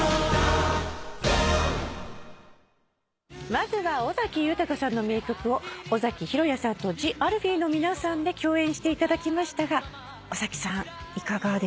まずは尾崎豊さんの名曲を尾崎裕哉さんとＴＨＥＡＬＦＥＥの皆さんで共演していただきましたが尾崎さんいかがでしたか？